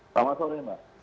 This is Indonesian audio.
selamat sore mas